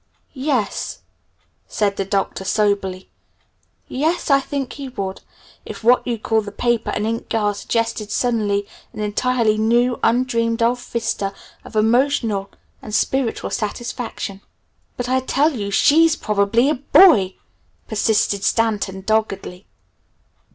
"Y e s," said the Doctor soberly. "Y e s, I think he would, if what you call the 'paper and ink girl' suggested suddenly an entirely new, undreamed of vista of emotional and spiritual satisfaction." "But I tell you 'she's' probably a BOY!" persisted Stanton doggedly.